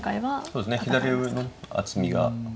そうですね左上の厚みが。